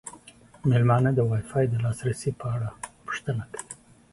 میلمانه د وای فای د لاسرسي په اړه پوښتنه کوي.